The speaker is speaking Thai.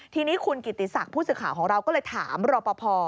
ทีนี้คุณกิติศักดิ์ผู้สื่อข่าวของเราก็เลยถามรอปภ